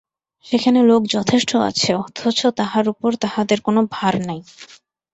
সেখানে লোক যথেষ্ট আছে অথচ তাহার উপর তাহাদের কোনো ভার নাই।